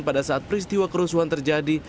pada saat peristiwa kerusuhan terjadi